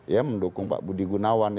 ya mendukung pak budi gunawan